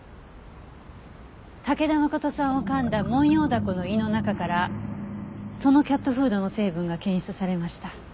武田誠さんを噛んだモンヨウダコの胃の中からそのキャットフードの成分が検出されました。